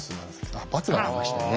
あっバツが出ましたね。